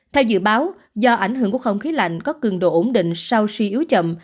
theo dự báo do ảnh hưởng của không khí lạnh có cường độ ổn định sau suy yếu chậm